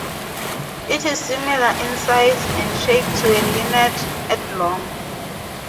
It is similar in size and shape to a linnet, at long.